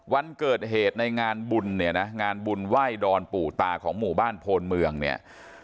วันเกิดเหตุในงานบุญเนี่ยนะงานบุญไหว้ดอนปู่ตาของหมู่บ้านโพนเมืองเนี่ย